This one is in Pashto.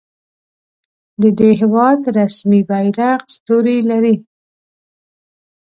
د دې هیواد رسمي بیرغ ستوری لري.